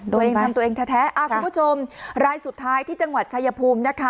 โดยทำตัวเองแท้คุณผู้ชมรายสุดท้ายที่จังหวัดชายภูมินะคะ